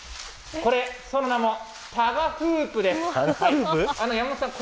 これ、その名もタガフープです。